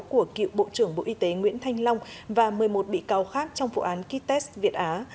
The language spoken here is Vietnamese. của cựu bộ trưởng bộ y tế nguyễn thanh long và một mươi một bị cáo khác trong vụ án kites việt á